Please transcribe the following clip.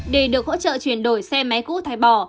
để được hỗ trợ chuyển đổi xe máy cũ thái bỏ